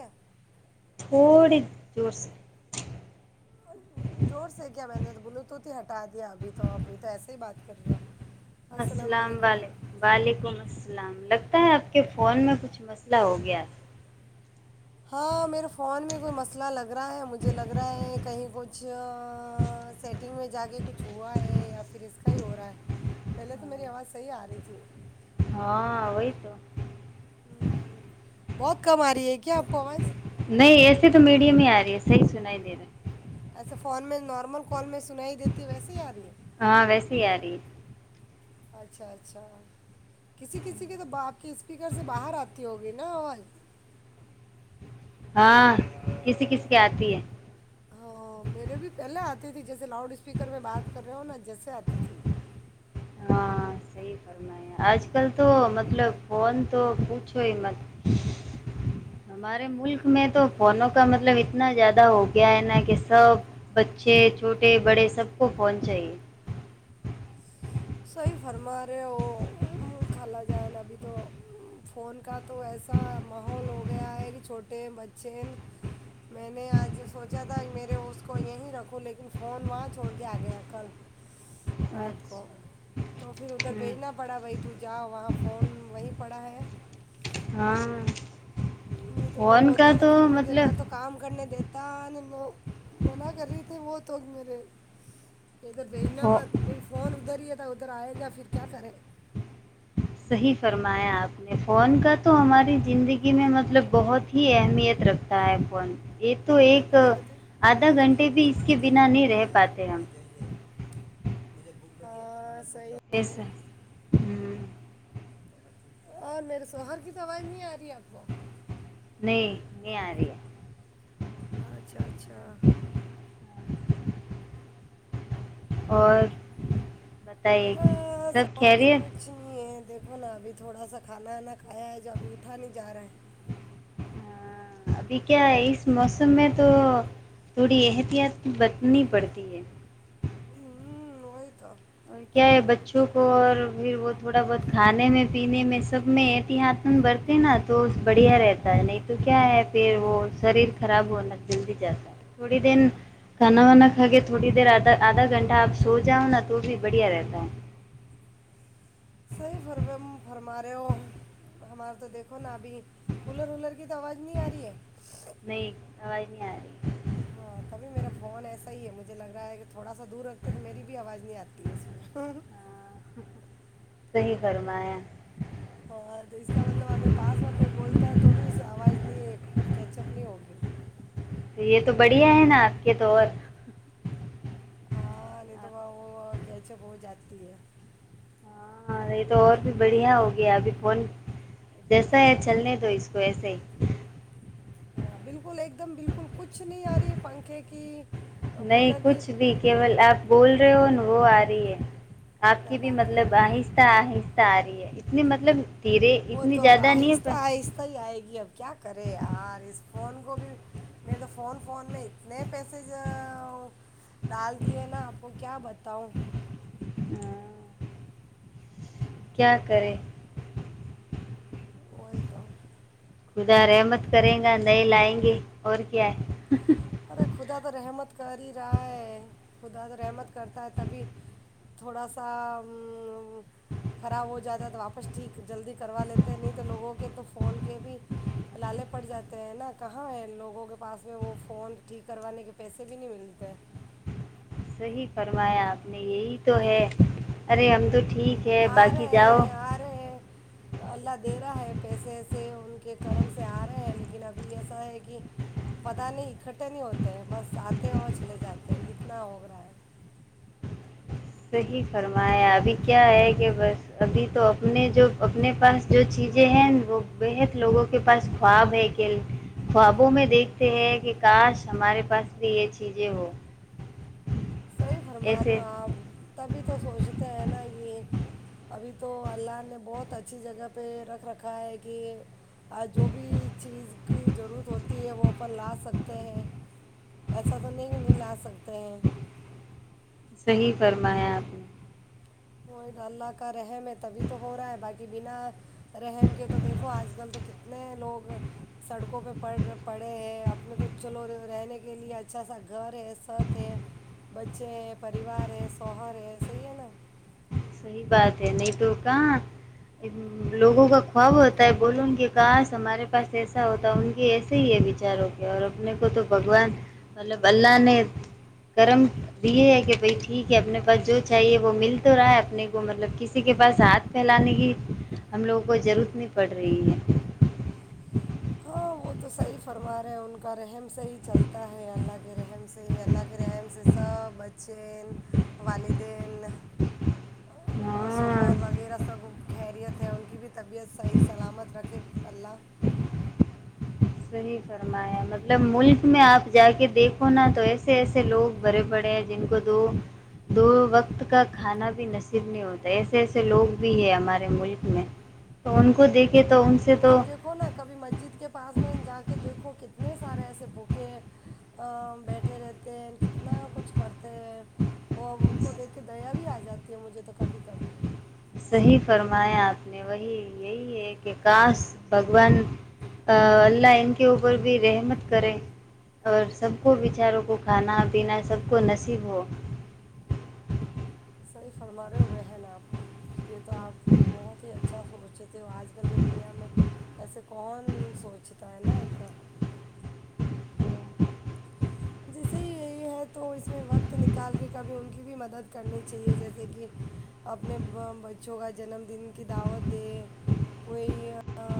کتاا کوڑی جوس زور سے کیا میں نے بلوتوت ہی ہٹا دیا ابھی تو ابھی تو ایسے ہی بات کر رہی ہو السلام و علیکم وعلیکم السلام پ ہے آپ کے فون میں کچھ مسئلہ ہو گیا ہاں میرے فون میں کوئی مسئلہ لگ رہا ہے مجھے لگ رہا ہے کہیں کچھ سیٹنگ میں جا کے کچھ ہوا ہے یا پھر اس کا ہی ہو رہا ہے پہلے تو میری آواز صحیح آ رہی تھی ہاںی تو بہت کم آ رہی ہے کیا آپ کو آواز نہیں ایسے تو میڈی میں ہی آ رہی ہے صحیح سن ہی دے رہے فون میں نارمل کال میں سننا ہی دیتی ویسے ہی آ رہی ہے ہاں ویس یاری اچھا اچھا کسی کسی کے تو آپ کے اسپیکر سے باہر آتی ہوگی نا اور ہاں کسی کسی کے آتی ہے ہاں میرے بھی پہلے آتی تھی جیسے لاؤڈ اسپیکر میں بات کر رہے ہ نا جیسے آتی تھی ہاں صحیح فرمایا آج کل تو مطلب فون تو پوچھو ہی مت ہمارے ملک میں تو فونوں کا مطلب اتنا زیادہ ہو گیا ہے نا کہ سب بچے چھوٹے بڑے سب کو فون چاہیے صحی فرما رہے وہ خال جان ابھی تو فون کا تو ایسا ماحول ہو گیا ہے کہ چھوٹے ہیں بچے ہیں میں نے آج سوچا تھا کہ میرے اس کو یہیں رکھوں لیکن فون وہاں چھوڑ کے آ گیا کل رات کو اچھا تو پھر ادھر بھیجنا پڑا بھائی تو جا وہاں فون وہیں پڑا ہے ہاں نہیں تو وہ فون کا ہوتا تو پھر مجھے نہ تو مطلب کام کرنے دی نہیں منع کر رہی تھی وہ توگ میرے اگر دجنا ہو میں فون ادھر ہی ہے تو ادھر آئے گا پھر کیا کریں صحیح فرمایا آپ نے فون کا تو ہماری زندگی میں مطلب بہت ہی اہمیت رکھتا ہے فون ایک تو ایک کہیں بتائیں آدھا گھنٹے بھی اس کے بنا نہیں رہ پاتے ہم ہ ایسے ہوں اور میرے سوہر کی تو آواز نہیں آتی [unintelligible] نہیں نہیں آ رہی [unintelligible] اچھا اچھا اور [unintelligible] بتائیے سب کہہ رہی ہے [unintelligible] وہنا ابھی تھوڑا سا کھانا وانا کھایا ہے جو ابھی اٹھا نہیں جا رہا ہے [unintelligible] ہاں ابھی کیا ہے اس موسم میں تو تھوڑی احتیاط بتنی پڑتی ہے [unintelligible] ہوں وہ تو [unintelligible] اور کیا ہے بچوں کو اور پھر وہ تھوڑا بہت کھانے میں پینے میں سب میں ایتی ہی ہاتھن برتے نا تو بڑھیا رہتا ہے نہیں تو کیا ہے پھر وہ شریر خراب ہونا جلدی جاتا ہے تھوڑی دیر کھانا وانا کھا کے تھوڑی دیر آدھا آدھا گھنٹہ آپ سو جاؤ نا تو بھیھر [unintelligible] بڑھیا رہتا ہے صحیح فرمم فرما رہے ہو ہمارے تو دیکھو نا ابھی کولر ولر کی تو آواز نہیں آ رہی ہے [unintelligible] نہیں آواز نہیں آ رہی [unintelligible] ہاں تبھی میرا فون ایسا ہی ہے مجھے لگ رہا ہے کہ [unintelligible] تھوڑا سا دور رکھتے تو میری بھی آواز نہیں آتی اس میں [unintelligible] ہاں صحیح کررما ہے [unintelligible] ہاں تو اس کا مطلب اگر پاس میں کوئی بولتا ہے تو بھی اس آواز نہیں کیچ اپ نہیں ہوگی یہ تو بڑھیا ہے نا آپ کے تو اور [unintelligible] ہاں نہیں تو وہ وہ کیچپ ہو جاتی ہے [unintelligible] ہاں یہ تو اور بھی بڑھیا ہو گیا ابھی فون جیسا ہے چلنے تو اس کو ایسے ہی [unintelligible] ہاں بالکل ایک دم بالکل کچھ نہیں آ رہی ہے پنکھے کی [unintelligible] نہیں کولر کی کچھ بھی کیول آپ بول [unintelligible] ن وہ آ رہی ہے [unintelligible] آپ کیا کی بھی بات ہے مطلب آہستہ آہستہ [unintelligible] ساری ہے اتنی مطلب [unintelligible] وہ اتنی تو اب زیادہ نہیں ہے آہستہ پر آہستہ ہی آئے گی اب کیا کرے ی آہستہ [unintelligible] فون کو بھی میرے تو فون فون میں اتنے پیسج ڈال دیے نا آپ کو کیا بتاؤں [unintelligible] کیا کریں [unintelligible] وہ توو [unintelligible] خدا رحمت کریں گا نہیں لائیں گے اور کیا ہے [unintelligible] ارے خدا تو رحمت کر ہی رہا ہے [unintelligible] خدا سے رحمت کرتا ہے تبھی تھوڑا سا خراب ہو جاتا ہے تو واپس ٹھیک جلدی کروا لیتے ہیں نہیں تو لوگوں کے تو فون کے بھی لالے پڑ جاتے ہیں نا کہاں ہے لوگوں کے پاس میں وہ [unintelligible] فون ٹھیک کروانے کے پیسے بھی نہیں ملتے [unintelligible] ہی فرمایا آپ نے یہی تو ہے ارے ہم تو [unintelligible] آ باقی جاؤ رہے آ رہے اللہ دے رہا ہے پیسے [unintelligible] سے ان کے کرم سے آ رہے ہیں لیکن ابھی ایسا ہے کہ پتا نہیں اکٹھے نہیں ہوتے ہیں بس آتے اور چلے جاتے ہیں اتنا ہو رہا ہے [unintelligible] صحی فرمایا ابھی کیا ہے کہ بس ابھی تو اپنے جو اپنے پاس جو چیزیں ہیں وہ بےحد لوگوں کے پاس خواب ہے کہ خوابوں میں دیکھتے ہیں کہ کاش ہمارے پاس بھی یہ چیزیں ہو [unintelligible] سی ایسے ہماراپ [unintelligible] تبھی [unintelligible] تو سوچتے ہیں نا یہ ابھی تو اللہ نے بہت اچھی جگہ پہ رکھ رکھا ہے کہ [unintelligible] آ جو بھی [unintelligible] چیز کی ضرورت ہوتی ہے وہپر لا سکتے ہیں ایسا تو نہیں نہیں لا سکتے ہیں [unintelligible] صحیح فرمایا آپ نے [unintelligible] وہ اللہ کا رحم ہے تبھی تو ہو رہا ہے باقی بنا رحم کے تو دیکھو آج کل تو کتنے لوگ سڑکوں پہ پڑ پڑے ہیں اپنے تو چلو رہنے کے لیے اچھا سا گھر ہے سط ہے بچے ہیں پریوار ہے سوہر ہے صحیح ہے نا [unintelligible] صحیح بات ہے نہیں تو کہاں لوگوں کا خواب ہوتا ہے بول ان کہ کاش ہمارے پاس ایسا ہوتا ان کے ایسے ہی ہے بچاروں کے اور اپنے کو تو بھگوان مطلب اللہ نے کرم دیے ہے کہ بھائی ٹھیک ہے اپنے پاس جو چاہیے وہ مل تو رہا ہے اپنے [unintelligible] کو مطلب کسی کے پاس ہاتھ پھیلانے کی ہم لوگوں کو ضرورت نہیں پڑ رہی ہے [unintelligible] [unintelligible] ہاں [unintelligible] صحیح فرمایا مطلب ملک میں آپ جا کے دیکھو نا تو ایسے ایسے لوگ بڑے پڑے ہیں جن کو دو دو وقت کا کھانا بھی نصیب نہیں ہوتا ایسے ایسے لوگ بھی ہے ہمارے ملک میں تو ان کو دیکھے تو ان سے آپ تو دیکھو نا کبھی مسجد کے پاس [unintelligible] اس میں جا کے دیکھو کتنے سارے ایسے بھوکے بیٹھے رہتے ہیں کتنا کچھ کرتے ہیں اور ان کو دیکھ کے دیا بھی آ جاتی ہے مجھے تو کبھی کبھی [unintelligible] صحی فرمایا آپ نے وہی یہی ہے کہ کاش بھگوان اللہ ان کے اوپر بھی رحمت کرے اور سب کو بچاروں کو کھانا پینا سب کو نصیب ہو [unintelligible] صحیح فرما رہے ہو بہن آپ یہ تو آپ بہت ہی اچھا سوچتے ہو ہو آج کل کے دنیا میں ایسے کون سوچتا ہے نا اتنا [unintelligible] جیسے ہی یہی ہے تو اس میں وقت نکال کے کبھی ان کی بھی مدد کرنی چاہیے جیسے کہ اپنے بچوں کا جنم دن کی دعوت دے کوئی [unintelligible]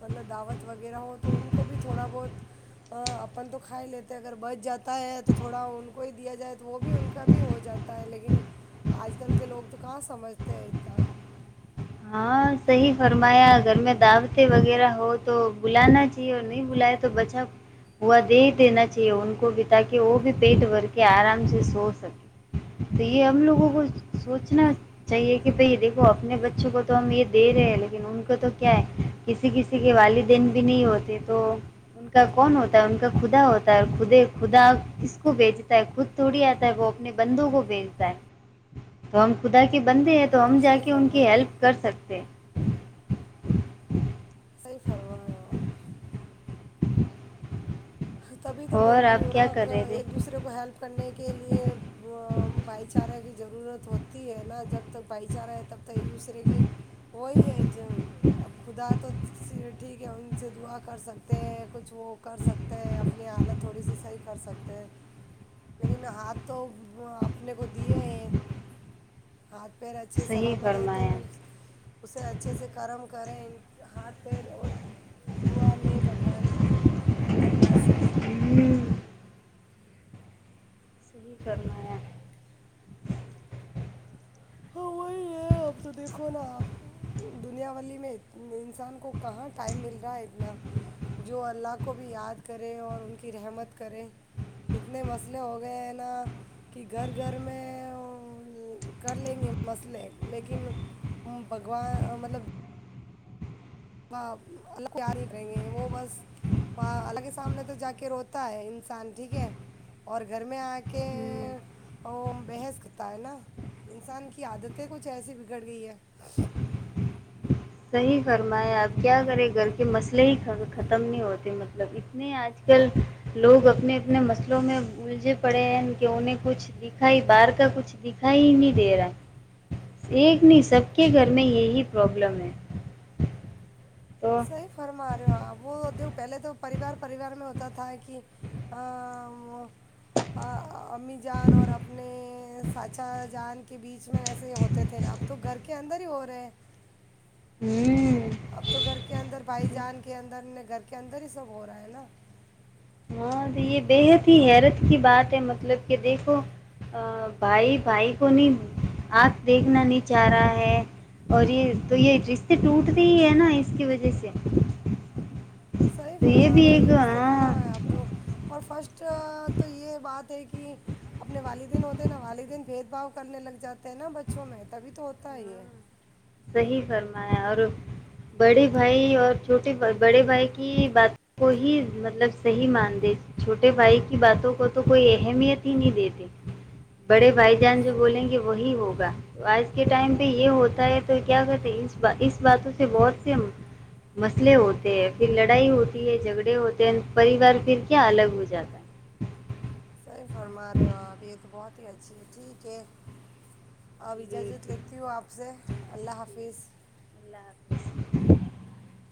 مطلب دعوت وغیرہ ہو تو ان کو بھی تھوڑا بہت اپن تو کھائی لیتے اگر بچ جاتا ہے تو تھوڑا ان کو ہی دیا جائے تو وہ بھی ان کا بھی ہو جاتا ہے لیکن آج کل کے لوگ تو کہاں سمجھتے ہیں اتنا [unintelligible] ہاں صحیح فرمایا گھر میں دعوتیں وغیرہ ہو تو بلانا چاہیے اور نہیں بلائے تو بچا ہوا دے دینا چاہیے ان کو بھی تاکہ وہ بھی پیٹ بھر کے آرام سے سو سکے تو یہ ہم لوگوں کو سوچنا چاہیے کہ بھائی دیکھو اپنے بچوں کو [unintelligible] تو ہم یہ دے رہے ہیں لیکن ان کو تو کیا ہے کسی کسی کے والدین بھی نہیں ہوتے تو ان کا کون ہوتا ہے ان کا خدا ہوتا ہے خدا کس کو بھیجتا ہے خود تھوڑی آتا ہے وہ اپنے بندوں کو بھیجتا ہے تو ہم خدا کے بندے ہیں [unintelligible] تو ہم جا صحیح کے ان کی فرما رہے ہیں ہیلپ آپ [unintelligible] سے [unintelligible] صحیح فرما رہے ہو اپ [unintelligible] تبھی تو اور بول رہی آپ ہوں کیا کر نا رہے تھے ایک دوسرے کو ہیلپ کرنے کے لیے بھائی چارہ کی ضرورت ہوتی [unintelligible] وہی ہے نا جب تک بھائی چارہ ہے تب [unintelligible] تو ایک دوسرے کی وہی ہے جو اب خدا تو [unintelligible] ٹھیک ہے ان سے دعا کر سکتے ہیں کچھ وہ کر سکتے [unintelligible] ہیں اپنی حالت تھوڑی سی صحیح کر سکتے ہیں لیکن ہاتھ تو اپنے کو دیے ہیں ہاتھ [unintelligible] پیر اچھے صحیح سلامت ہے تو فرمایا [unintelligible] اسے اچھے سے کرم کریں ہاتھ پیر اور دع لیں بھگوان [unintelligible] اللہ سے ہ یہی کرنا ہے ہاں وہی ہے اب تو دیکھو نا آپ دنیاولی میں انسان کو کہاں ٹائم مل رہا ہے اتنا جو اللہ کو بھی یاد کرے اور ان کی رحمت کرے اتنے مسئلے ہو گئے ہیں نا کہ گھر گھر میں کر لیں گے مسئلے لیکن بھگوان مطلب اللہ پیار ہی کریں گے وہ بس وہ اللہ کے سامنے تو جا کے روتا ہے انسان ٹھیک ہے اور گھر میں آ کے ہوں وہ بحث کرتا ہے نا انسان کی عادتیں کچھ ایسی بگڑ گئی ہے صحیح فرمایا اب کیا کریں گھر کے مسئلے ہی ختم نہیں ہوتے مطلب اتنے آج کل لوگ اپنے اپنے مسئلوں میں الجے پڑے ہیں کہ انہیں کچھ دکھا ہی بار کا کچھ دکھا ہی نہیں دے رہا ہے ایک نہیں سب کے گھر میں یہی پرابلم ہے [inaudible] صحیح فرمایا وہ د پہلے تو پریوار پریوار میں ہوتا تھا کہ امی جان اور اپنے چاچا جان کے بیچ میں ایسے ہوتے تھے نا اب تو گھر کے اندر ہی ہو رہے ہیں ہوں اب تو گھر کے اندر بھائی جان کے اندر گھر کے اندر ہی سب ہو رہا ہے نا ہاں تو یہ بے حد ہی حیرت کی بات ہے مطلب کہ دیکھو بھائی بھائی کو نہیں آنکھ دیکھنا نہیں چاہ رہا ہے اور یہ تو یہ رشتے ٹوٹتے ہی ہے نا اس کی وجہ سے صحیح تو فرما بھی رہے ہو ایک یہ رشتے ہاں کہاں ہے اب تو اور فرسٹ تو یہ بات ہے کہ اپنے والدین ہوتے ہیں نا والدین بھید بھاؤ کرنے لگ جاتے ہیں نا بچوں میں تبھی تو ہوتا ہے یہ صحیح فرمایا اور بڑے بھائی اور چھوٹے بڑے بھائی کی باتوں کو ہی مطلب صحیح مان چھوٹے بھائی کی باتوں کو تو کوئی اہمیت ہی نہیں دیتے بڑے بھائی جان جو بولیں گے وہی ہوگا آج کے ٹائم پہ یہ ہوتا ہے تو کیا کہتے ہیں اس باتوں سے بہت سے مسئلے ہوتے ہیں پھر لڑائی ہوتی ہے جھگڑے ہوتے ہیں پریوار پھر کیا الگ ہو جاتا ہے صی فرما رہے ہو آپ یہ تو بہت ہی اچھی ہے ٹھیک ہے [unintelligible] اوربزا جوت ٹھیک ہے، لیتی ہوں آپ سے [unintelligible] اللہ ٹھیک حافظ [unintelligible] [inaudible]